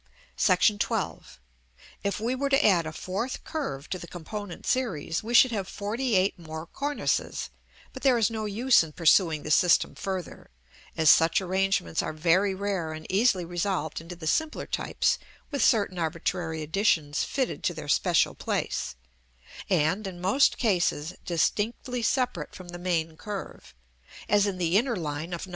§ XII. If we were to add a fourth curve to the component series, we should have forty eight more cornices: but there is no use in pursuing the system further, as such arrangements are very rare and easily resolved into the simpler types with certain arbitrary additions fitted to their special place; and, in most cases, distinctly separate from the main curve, as in the inner line of No.